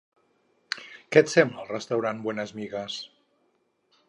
Què et sembla el restaurant Buenas Migas?